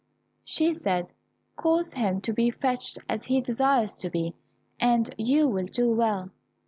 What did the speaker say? She said, "Cause him to be fetched as he desires to be, and you will do well."